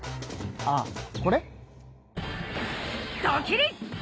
ああこれ？